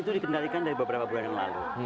itu dikendalikan dari beberapa bulan yang lalu